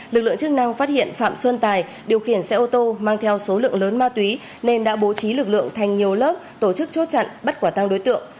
lực lượng chức năng phát hiện phạm xuân tài điều khiển xe ô tô mang theo số lượng lớn ma túy nên đã bố trí lực lượng thành nhiều lớp tổ chức chốt chặn bắt quả tăng đối tượng